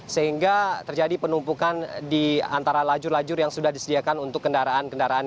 sehingga terjadi penumpukan di antara lajur lajur yang sudah disediakan untuk kendaraan kendaraan